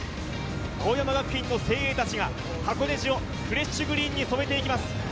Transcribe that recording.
青山学院の精鋭たちが箱根路をフレッシュグリーンに染めていきます。